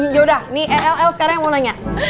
yaudah nih el el sekarang yang mau nanya